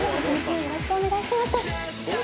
よろしくお願いします。